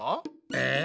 え